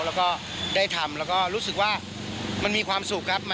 แล้วก็ได้ทำแล้วก็รู้สึกว่ามันมีความสุขครับ